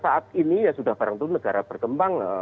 saat ini sudah barang tentu negara berkembang